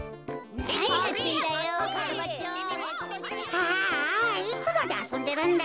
ああいつまであそんでるんだ。